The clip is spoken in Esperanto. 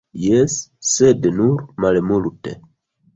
Jes, sed nur malmulte.